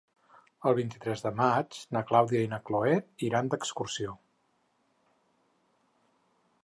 El vint-i-tres de maig na Clàudia i na Cloè iran d'excursió.